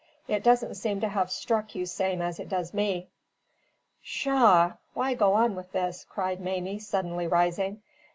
"It doesn't seem to have struck you same as it does me." "Pshaw! why go on with this?" cried Mamie, suddenly rising.